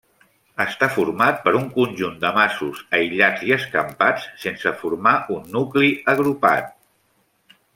Està format per un conjunt de masos aïllats i escampats, sense formar un nucli agrupat.